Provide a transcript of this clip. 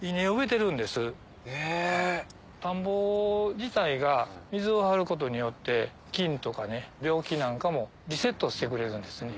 田んぼ自体が水を張ることによって菌とか病気なんかもリセットしてくれるんですね。